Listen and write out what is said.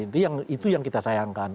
itu yang kita sayangkan